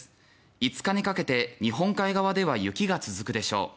５日にかけて日本海側では雪が続くでしょう。